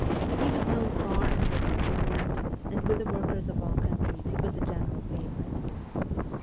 He was known far and wide in the ' mountains,' and with the workers of all countries he was a general favourite.